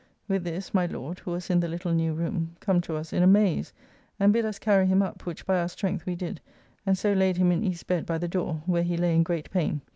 With this, my Lord (who was in the little new room) come to us in amaze, and bid us carry him up, which, by our strength, we did, and so laid him in East's bed, by the door; where he lay in great pain.